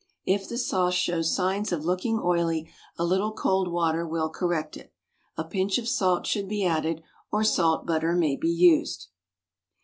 If the sauce shows signs of looking oily, a little cold water will correct it. A pinch of salt should be added, or salt butter may be used.